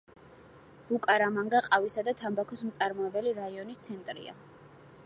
ბუკარამანგა ყავისა და თამბაქოს მწარმოებელი რაიონის ცენტრია.